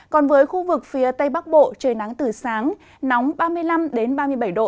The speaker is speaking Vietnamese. còn với khu vực phía tây bắc bộ trời nắng từ sáng nóng ba mươi năm ba mươi bảy độ